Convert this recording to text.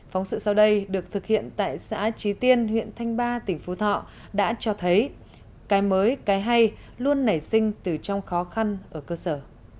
phóng sự sau đây được thực hiện tại xã trí tiên huyện thanh ba tỉnh phú thọ đã cho thấy cái mới cái hay luôn nảy sinh từ trong khó khăn ở cơ sở